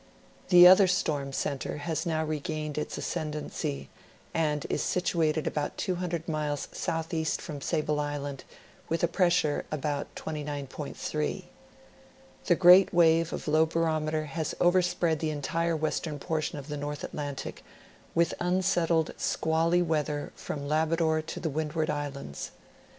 The other storm center has now regained its ascendency, and is situated about two hundred miles southeast from Sable Island, with a pressure about 29.3. The great wave of low barometer has over spread the entire western portion of the North Atlantic, with un settled squally weather from, Labrador to the Windward Islands.